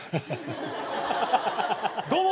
どうも！